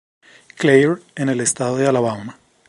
Clair en el estado de Alabama.